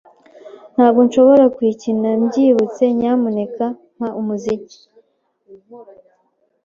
Ntabwo nshobora kuyikina mbyibutse. Nyamuneka mpa umuziki. )